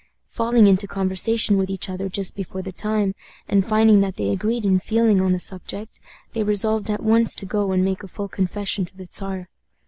Falling into conversation with each other just before the time, and finding that they agreed in feeling on the subject, they resolved at once to go and make a full confession to the Czar.